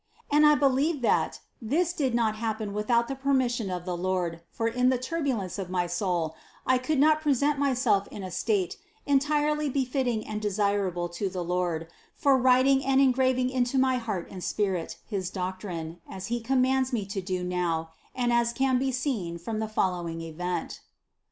And I believe that this did not happen without the per mission of the Lord, for in the turbulency of my soul I could not present myself in a state entirely befitting and desirable to the Lord for writing and engraving into my heart and spirit his doctrine, as He commands me to do now and as can be seen from the following event.